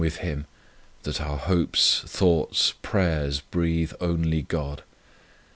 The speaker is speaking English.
84 True Prayer with Him that our hopes, thoughts, prayers breathe only God.